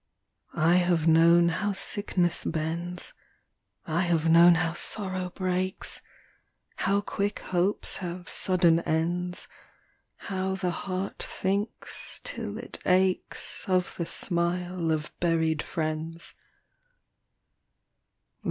v. I have known how sickness bends, I have known how sorrow breaks, â How quick hopes have sudden ends, How the heart thinks till it aches Of the smile of buried friends.